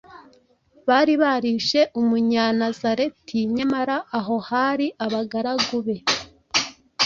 Bari barishe Umunyanazareti, nyamara aho hari abagaragu be,